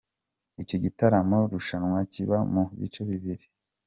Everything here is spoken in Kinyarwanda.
Icyo gitaramo-rushanwa kiba mu bice bibiri.